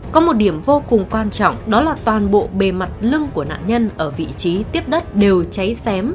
có một điểm vô cùng quan trọng đó là toàn bộ bề mặt lưng của nạn nhân ở vị trí tiếp đất đều cháy xém